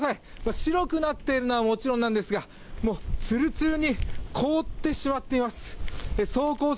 白くなっているのはもちろんなんですが、ツルツルに凍ってしまつています。